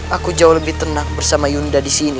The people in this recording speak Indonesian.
aku jauh lebih tenang bersama yunda disini